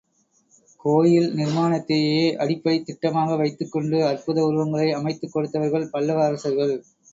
கோயில் நிர்மாணத்தையே அடிப்படைத் திட்டமாக வைத்துக் கொண்டு அற்புத உருவங்களை அமைத்துக் கொடுத்தவர்கள் பல்லவ அரசர்கள்.